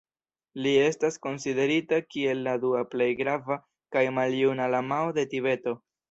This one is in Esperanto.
Li estas konsiderita kiel la dua plej grava kaj maljuna lamao de Tibeto.